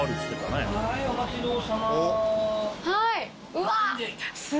はい。